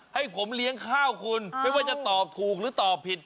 ให้ผมเลี้ยงข้าวคุณไม่ว่าจะตอบถูกหรือตอบผิด